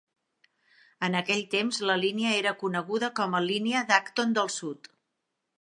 En aquell temps, la línia era coneguda com a línia d'Acton del sud.